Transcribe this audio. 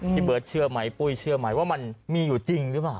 พี่เบิร์ตเชื่อไหมปุ้ยเชื่อไหมว่ามันมีอยู่จริงหรือเปล่า